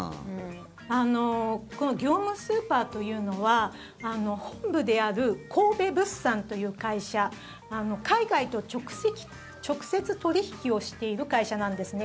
業務スーパーというのは本部である神戸物産という会社海外と直接取引をしている会社なんですね。